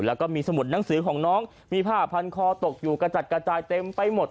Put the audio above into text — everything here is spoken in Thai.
แล้วก็มีสมุดหนังสือของน้องมีผ้าพันคอตกอยู่กระจัดกระจายเต็มไปหมด